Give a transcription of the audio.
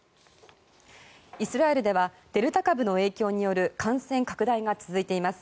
イスラエルではデルタ株の影響による感染拡大が続いています。